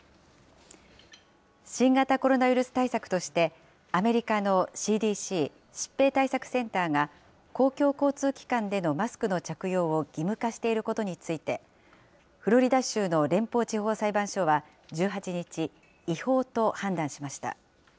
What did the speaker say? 新型コロナウイルス対策として、アメリカのＣＤＣ・疾病対策センターが、公共交通機関でのマスクの着用を義務化していることについて、フロリダ州の連邦地方裁判所は１８日、違法と判断しました。